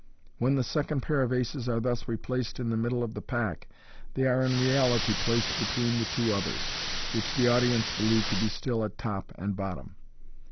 When the second pair of aces are thus replaced in the middle of the pack they are in reality placed between the two others, which the audience believe to be still at top and bottom.